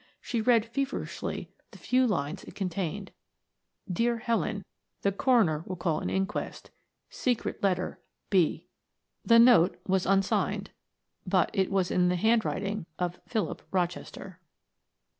She read feverishly the few lines it contained, Dear Helen: The coroner will call an inquest. Secrete letter "B." The note was unsigned but it was in the handwriting of Philip Rochester.